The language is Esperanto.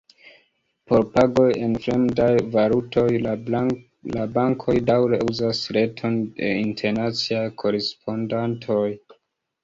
Por pagoj en fremdaj valutoj la bankoj daŭre uzas reton de internaciaj korespondantoj.